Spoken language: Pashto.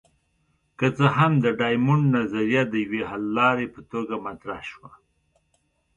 که څه هم د ډایمونډ نظریه د یوې حللارې په توګه مطرح شوه.